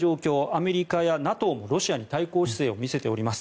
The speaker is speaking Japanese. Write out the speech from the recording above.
アメリカやＮＡＴＯもロシアに対抗姿勢を見せています。